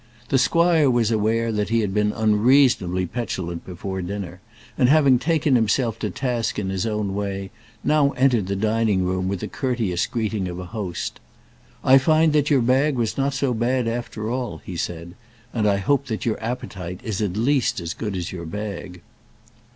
The squire was aware that he had been unreasonably petulant before dinner, and having taken himself to task in his own way, now entered the dining room with the courteous greeting of a host. "I find that your bag was not so bad after all," he said, "and I hope that your appetite is at least as good as your bag."